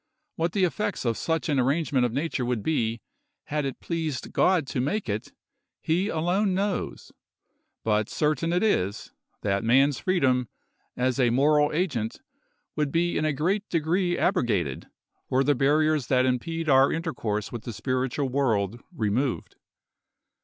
What the effects of such an arrangement of nature would be, had it pleased God to make it, he alone knows; but certain it is, that man's freedom, as a moral agent, would be in a great degree abrogated, were the barriers that impede our intercourse with the spiritual world removed.